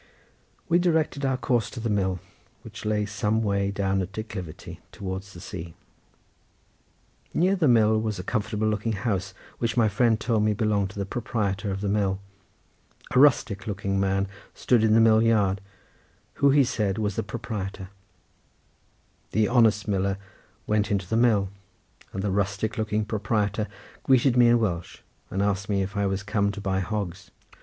We directed our course to the mill, which lay some way down a declivity towards the sea. Near the mill was a comfortable looking house, which my friend told me belonged to the proprietor of the mill. A rustic looking man stood in the millyard, who he said was the proprietor—the honest miller went into the mill, and the rustic looking proprietor greeted me in Welsh, and asked me if I was come to buy hogs.